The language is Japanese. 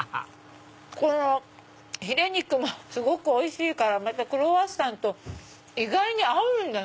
このフィレ肉もすごくおいしいからクロワッサンと意外に合うんだな。